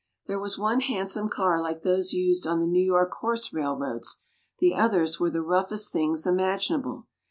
There was one handsome car like those used on the New York horse railroads: the others were the roughest things imaginable.